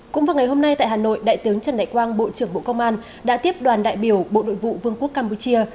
cũng vào ngày hôm nay tại hà nội đại tướng trần đại quang bộ trưởng bộ công an đã tiếp đoàn đại biểu bộ nội vụ vương quốc campuchia